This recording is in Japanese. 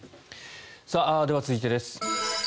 では、続いてです。